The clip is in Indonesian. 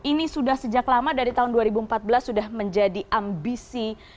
ini sudah sejak lama dari tahun dua ribu empat belas sudah menjadi ambisi